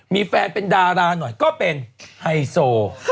มีแฟนเป็นดาราหน่อยก็เป็นไฮโซ